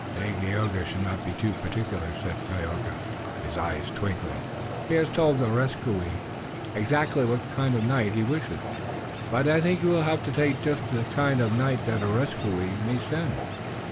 "Dagaeoga should not be too particular," said Tayoga, his eyes twinkling. "He has told Areskoui exactly what kind of a night he wishes, but I think he will have to take just the kind of a night that Areskoui may send."